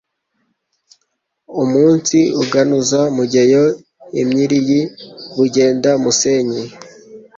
Umunsi uganuza Mugeyo Imyiri y'i Bugenda musenyi,